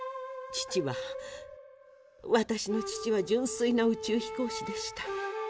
父は私の父は純粋な宇宙飛行士でした。